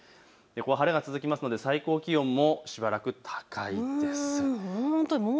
晴れが続きますので最高気温もしばらく高いです。